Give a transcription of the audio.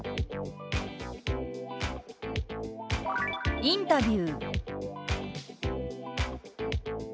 「インタビュー」。